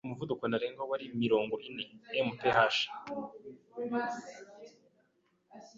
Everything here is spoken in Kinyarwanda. Umuvuduko ntarengwa wari mirongo ine mph.